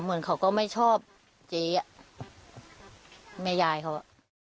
เหมือนเขาก็ไม่ชอบเจ๊อ่ะแม่ยายเขาอ่ะ